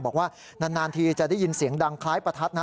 บอกว่านานทีจะได้ยินเสียงดังคล้ายประทัดนะ